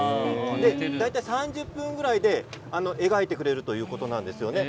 大体３０分ぐらいで描いてくれるということなんですよね。